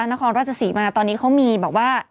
นครราชศรีมาตอนนี้เขามีแบบว่า